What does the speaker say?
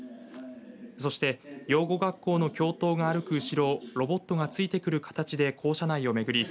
そして、養護学校の教頭が歩く後ろをロボットが付いてくる形で校舎内を巡り